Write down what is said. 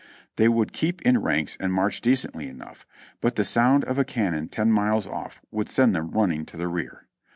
They would keep in ranks and march decently enough, but the sound of a cannon ten miles off would send them running to the rear.